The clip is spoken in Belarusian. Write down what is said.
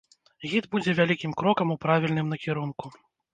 Гід будзе вялікім крокам у правільным накірунку.